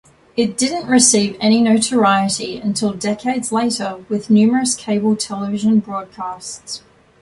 It didn't receive any notoriety until decades later with numerous cable television broadcasts.